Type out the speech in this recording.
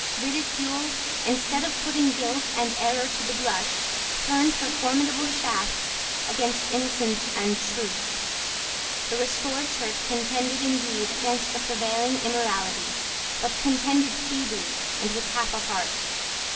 Ridicule, instead of putting guilt and error to the blush, turned her formidable shafts against innocence and truth. The restored Church contended indeed against the prevailing immorality, but contended feebly, and with half a heart.